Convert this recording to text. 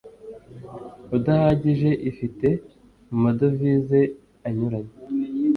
udahagije ifite mu madovize anyuranye